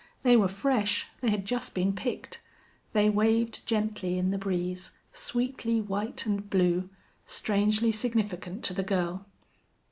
They were fresh. They had just been picked. They waved gently in the breeze, sweetly white and blue, strangely significant to the girl.